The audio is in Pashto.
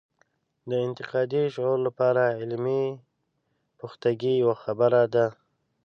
د انتقادي شعور لپاره علمي پختګي یوه خبره ده.